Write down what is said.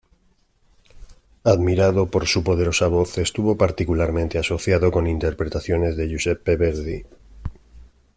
Admirado por su poderosa voz, estuvo particularmente asociado con interpretaciones de Giuseppe Verdi.